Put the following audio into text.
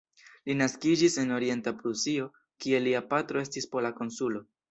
Li naskiĝis en Orienta Prusio, kie lia patro estis pola konsulo.